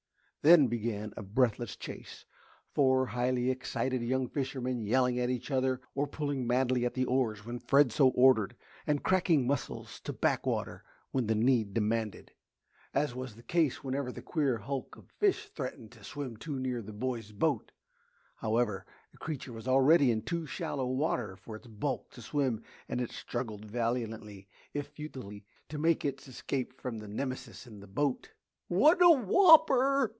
Then began a breathless chase. Four highly excited young fishermen yelling at each other, or pulling madly at the oars when Fred so ordered, and cracking muscles to back water when the need demanded as was the case whenever the queer hulk of a fish threatened to swim too near the boys' boat. However, the creature was already in too shallow water for its bulk to swim and it struggled valiantly, if futilely, to make its escape from the Nemesis in the boat. "What a whopper!"